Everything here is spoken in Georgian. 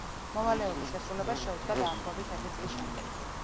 მოვალეობის შესრულებას შეუდგა დაახლოებით ერთი წლის შემდეგ.